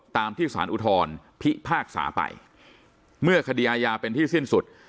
ตามที่สารอุทธรพิพากษาไปเมื่อคดีอาญาเป็นที่สิ้นสุด